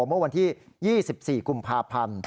เมื่อวันที่๒๔กุมภาพันธ์